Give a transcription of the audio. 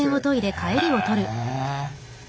へえ。